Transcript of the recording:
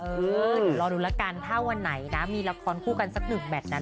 เดี๋ยวรอดูแล้วกันถ้าวันไหนนะมีละครคู่กันสักหนึ่งแมทนั้น